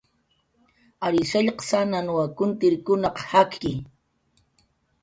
Ary shallqsananw kuntirkunaq jakki